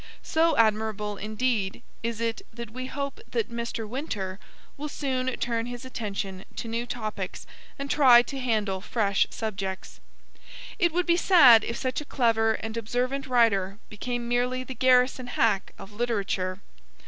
So admirable indeed is it that we hope that 'Mr. Winter' will soon turn his attention to new topics and try to handle fresh subjects. It would be sad if such a clever and observant writer became merely the garrison hack of literature.